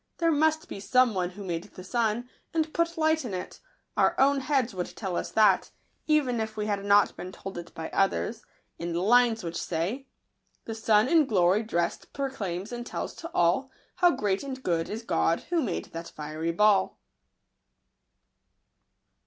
There must be some one who made the sun, and put light in it ; our own heads would tell us that, even if we had not been told it by others, in the lines which say :— The sun in glory dress'd proclaims and tells to all, How great and good is God, who made that fiery ball."